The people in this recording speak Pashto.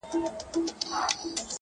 ه زه تر دې کلامه پوري پاته نه سوم،